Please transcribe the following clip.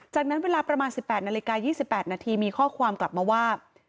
จากนั้นเวลาประมาณ๑๘นาฬิกา๒๘นาทีมีข้อความกลับมาว่า